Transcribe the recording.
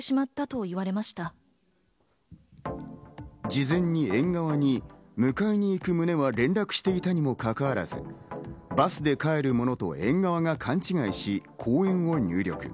事前に園側に迎えに行く旨は連絡していたにもかかわらず、バスで帰るものと園側が勘違いし降園と入力。